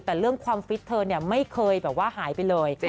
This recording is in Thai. แต่เรื่องความฟิตเธอเนี่ยไม่เคยแบบว่าหายไปเลย